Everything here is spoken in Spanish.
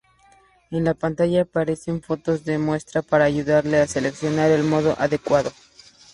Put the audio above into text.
En la pantalla aparecerán fotos de muestra para ayudarle a seleccionar el modo adecuado.